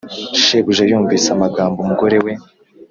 Shebuja yumvise amagambo umugore we